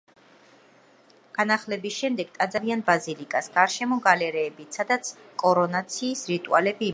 განახლების შემდეგ ტაძარი წარმოადგენდა სამნავიან ბაზილიკას, გარშემო გალერეებით, სადაც კორონაციის რიტუალები იმართებოდა.